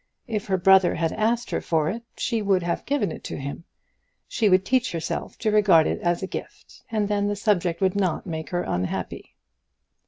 If her brother had asked her for it, she would have given it to him. She would teach herself to regard it as a gift, and then the subject would not make her unhappy.